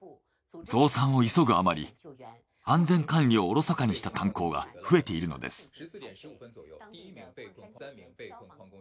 増産を急ぐあまり安全管理をおろそかにした炭鉱が増えているのです。